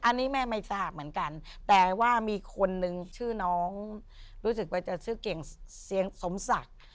อันนี้แม่ไม่ทราบเหมือนกันแต่ว่ามีคนนึงชื่อน้องรู้สึกว่าจะชื่อเก่งเสียงสมศักดิ์